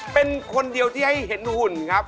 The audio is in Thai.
เป็นคนเดียวที่ให้เห็นหุ่นครับ